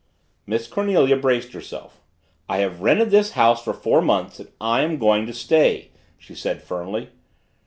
Miss Cornelia braced herself. "I have rented this house for four months and I am going to stay," she said firmly.